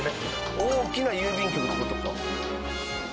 大きな郵便局って事か。